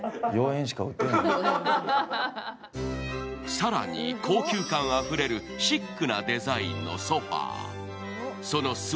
更に高級感あふれるシックなデザインのソファー。